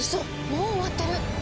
もう終わってる！